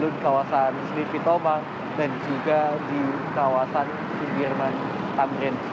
di ketobang dan juga di kawasan timbirman tamrin